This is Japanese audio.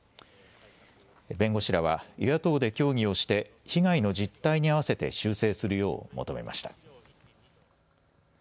弁護士らは与野党で協議をして被害の実態に合わせて修正するよう求めました。